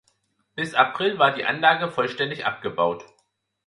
Bis April war die Anlage vollständig abgebaut.